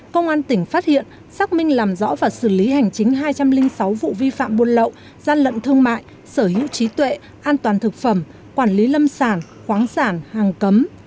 công an tỉnh phát hiện xác minh làm rõ và xử lý hành chính hai trăm linh sáu vụ vi phạm buôn lậu gian lận thương mại sở hữu trí tuệ an toàn thực phẩm quản lý lâm sản khoáng sản hàng cấm